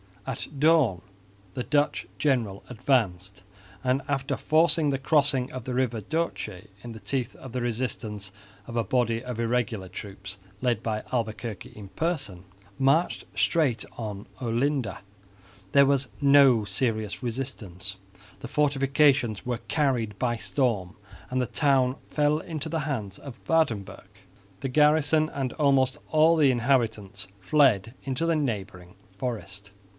At dawn the Dutch general advanced and, after forcing the crossing of the river Doce in the teeth of the resistance of a body of irregular troops led by Albuquerque in person, marched straight on Olinda. There was no serious resistance. The fortifications were carried by storm and the town fell into the hands of Waerdenburgh. The garrison and almost all the inhabitants fled into the neighbouring forest.